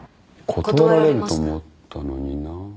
断られると思ったのにな。